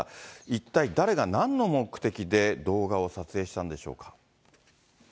一体誰がなんの目的で動画を撮影したんでしょうか。